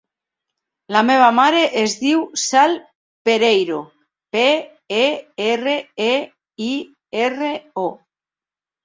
La meva mare es diu Cel Pereiro: pe, e, erra, e, i, erra, o.